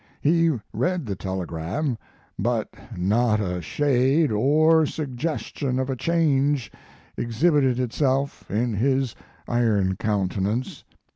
He read the telegram, but not a shade or suggestion of a change exhibited itself in his iron countenance.